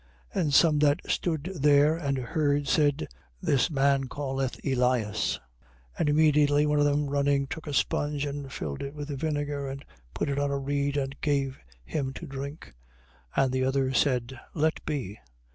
27:47. And some that stood there and heard said: This man calleth Elias. 27:48. And immediately one of them running took a sponge and filled it with vinegar and put it on a reed and gave him to drink. 27:49. And the others said: Let be.